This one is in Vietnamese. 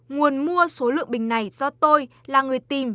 nguồn mua số lượng bình này do tôi là người tìm